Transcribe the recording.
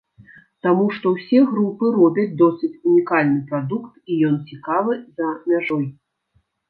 Таму што ўсе групы робяць досыць унікальны прадукт, і ён цікавы за мяжой.